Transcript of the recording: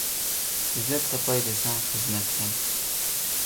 ئىززەت تاپاي دىسەڭ خىزمەت قىل.